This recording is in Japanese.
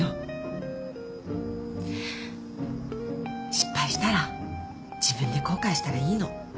失敗したら自分で後悔したらいいの。